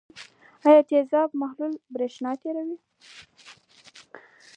آیا د تیزاب محلول برېښنا تیروي؟